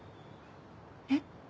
えっ？